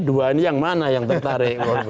dua ini yang mana yang tertarik